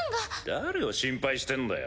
誰を心配してんだよ。